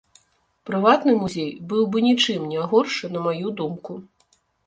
Прыватны музей быў бы нічым не горшы, на маю думку.